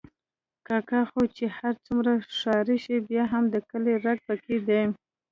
کاکا خو چې هر څومره ښاري شي، بیا هم د کلي رګ پکې دی.